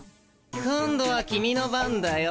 今度はキミの番だよ